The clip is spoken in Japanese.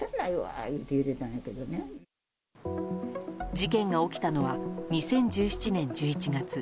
事件が起きたのは２０１７年１１月。